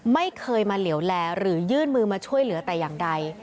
ไม่เคยมาเหลวแลหรือยื่นมือมาช่วยเหลือแต่อย่างใด